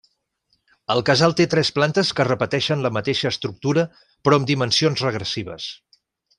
El casal té tres plantes que repeteixen la mateixa estructura però amb dimensions regressives.